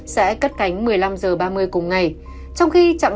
sẽ cất cánh một mươi năm h ba mươi cùng ngày